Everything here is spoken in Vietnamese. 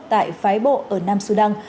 tại phái bộ ở nam sudan